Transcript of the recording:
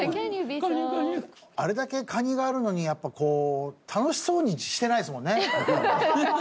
あれだけカニがあるのにやっぱこう楽しそうにしてないですもんね。